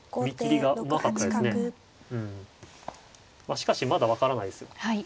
しかしまだ分からないです。